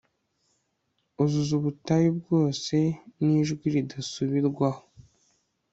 Uzuza ubutayu bwose nijwi ridasubirwaho